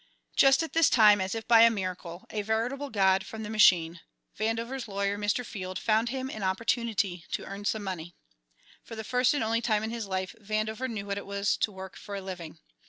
Just at this time, as if by a miracle, a veritable God from the Machine, Vandover's lawyer, Mr. Field, found him an opportunity to earn some money. For the first and only time in his life Vandover knew what it was to work for a living.